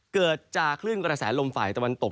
เกิดจากคลื่นกระแสลมฝ่ายตะวันตก